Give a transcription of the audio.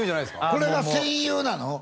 これが戦友なの？